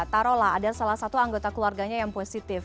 taruhlah ada salah satu anggota keluarganya yang positif